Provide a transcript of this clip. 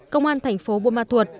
công an thành phố buôn ma thuột